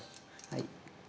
はい。